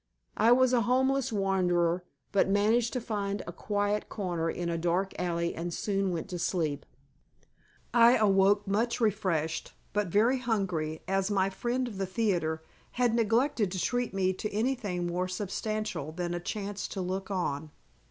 I was a homeless wanderer, but managed to find a quiet corner in a dark alley and soon went to sleep. I awoke much refreshed, but very hungry as my friend of the theatre had neglected to treat me to anything more substantial than a chance to look on.